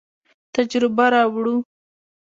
تجربه راوړو.